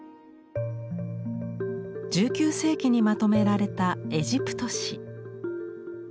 １９世紀にまとめられた「エジプト誌」。